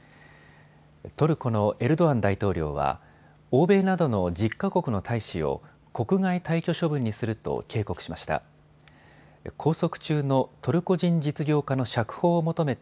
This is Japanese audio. トルコのエルドアン大統領は欧米などの１０か国の大使を国外退去処分にすると警告しました。